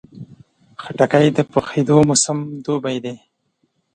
خټکی د پخېدو موسم دوبی دی.